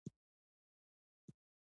عضلات د حرکت لپاره اړین دي